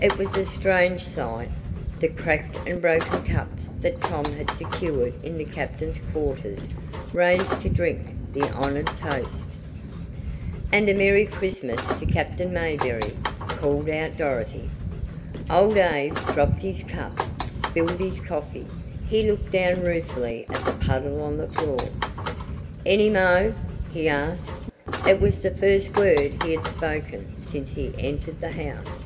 It was a strange sight the cracked and broken cups that Tom had secured in the captain's quarters raised to drink the honored toast! "And a merry Christmas to Captain Mayberry!" called out Dorothy. Old Abe dropped his cup spilled his coffee. He looked down ruefully at the puddle on the floor. "Any mo'?" he asked. It was the first word he had spoken since he entered the house.